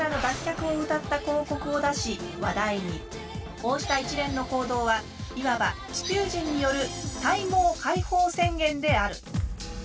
こうした一連の行動はいわば地球人による体毛解放宣言である。